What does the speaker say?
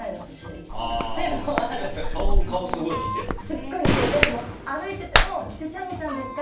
すっごい似てて、歩いてても菊地亜美さんですか？